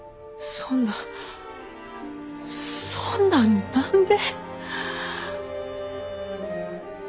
そんなんそんなん何で！？